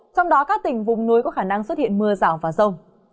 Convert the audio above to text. trong đó các tỉnh vùng núi có khả năng xuất hiện mưa rào vào rồng